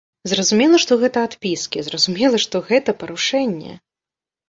Зразумела, што гэта адпіскі, зразумела, што гэта парушэнне.